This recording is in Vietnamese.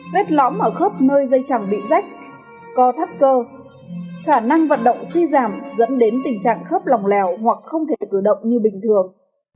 vết lõm ở khớp nơi dây chẳng bị rách co thắt cơ khả năng vận động suy giảm dẫn đến tình trạng khớp lòng lèo hoặc không thể cử động như bình thường